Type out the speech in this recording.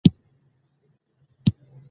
تیزابي باران په صنعتي ښارونو کې اوریږي.